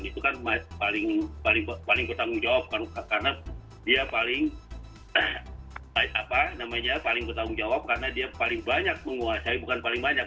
itu kan paling bertanggung jawab karena dia paling bertanggung jawab karena dia paling banyak menguasai bukan paling banyak